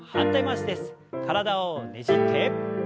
体をねじって。